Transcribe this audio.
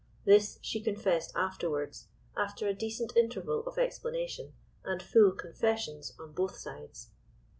This she confessed afterwards, after a decent interval of explanation, and full confessions on both sides.